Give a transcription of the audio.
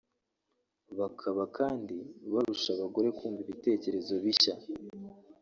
bakaba kandi barusha abagore kumva ibitekerezo bishya